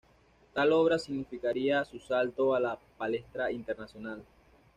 Tal obra significaría su salto a la palestra internacional.